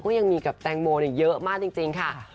ก็ยังมีกับแตงโมเยอะมากจริงค่ะ